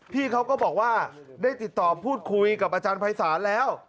พี่เขาก็บอกว่าได้ติดต่อพูดคุยกับอาจารย์ภัยศาลแล้ว